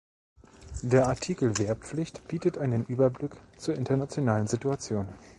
Der Artikel Wehrpflicht bietet einen Überblick zur internationalen Situation.